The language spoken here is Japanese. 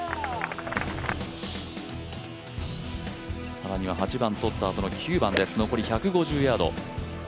更には８番取ったあとの９番です、残り１５０ヤード。